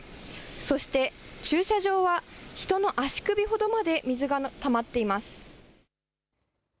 そして、駐車場は人の足首ほどまで水がたまっています。